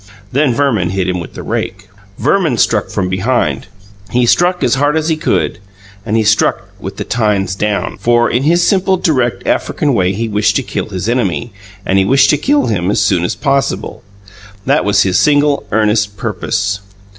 Then Verman hit him with the rake. Verman struck from behind. He struck as hard as he could. And he struck with the tines down For, in his simple, direct African way he wished to kill his enemy, and he wished to kill him as soon as possible. That was his single, earnest purpose.